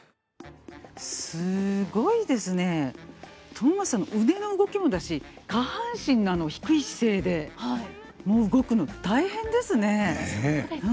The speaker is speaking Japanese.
友松さんの腕の動きもだし下半身のあの低い姿勢で動くの大変ですね。